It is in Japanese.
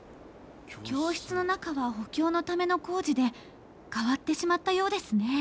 教室の中は補強のための工事で変わってしまったようですね。